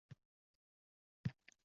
Yetdi